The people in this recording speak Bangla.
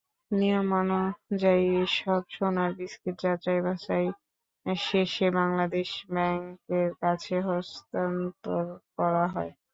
নিয়মানুযায়ী, এসব সোনার বিস্কুট যাচাই-বাছাই শেষে বাংলাদেশ ব্যাংকের কাছে হস্তান্তর করা হয়।